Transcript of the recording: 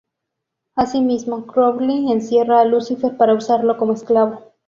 Asimismo, Crowley encierra a Lucifer para usarlo como esclavo.